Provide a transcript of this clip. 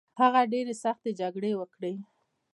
هغه ډیرې سختې جګړې وکړې